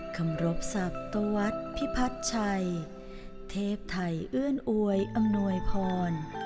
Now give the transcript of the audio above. คำรบศักตะวัดพิพัฒน์ชัยเทพไทยเอื้อนอวยอำนวยพร